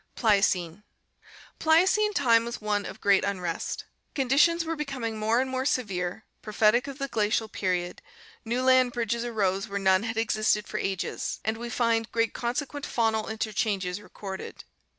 Pliocene. — Pliocene time was one of great unrest; conditions were becoming more and more severe, prophetic of the Glacial period, new land bridges arose where none had existed for ages, and we find great consequent faunal interchanges recorded.